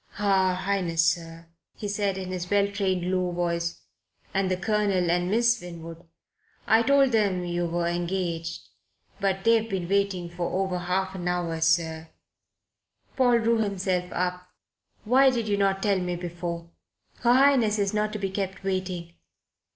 "Her Highness, sir," he said in his well trained, low voice, "and the Colonel and Miss Winwood. I told them you were engaged. But they've been waiting for over half an hour, sir." Paul drew himself up. "Why did you not tell me before? Her Highness is not to be kept waiting.